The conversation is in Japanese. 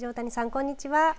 こんにちは。